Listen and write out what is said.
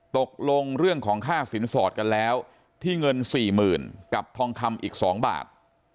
ตกลงเรื่องของค่าสินสอดกันแล้วที่เงิน๔๐๐๐กับทองคำอีก๒บาท